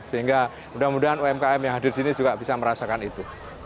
sehingga mudah mudahan umkm yang hadir di sini juga bisa merasakan itu